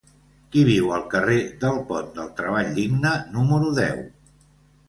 Qui viu al carrer del Pont del Treball Digne número deu?